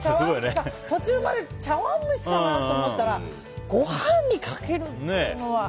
途中まで茶わん蒸しかな？と思ったらご飯にかけるっていうのは。